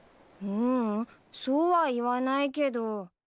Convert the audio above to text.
ううんそうはいわないけど。